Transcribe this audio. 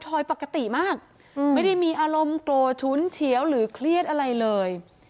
อยปกติมากไม่ได้มีอารมณ์โกรธฉุนเฉียวหรือเครียดอะไรเลย